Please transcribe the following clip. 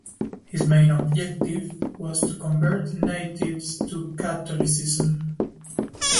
His main objective was to convert the natives to Catholicism.